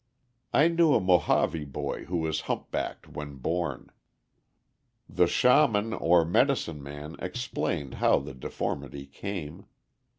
I knew a Mohave boy who was humpbacked when born. The shaman or medicine man explained how the deformity came.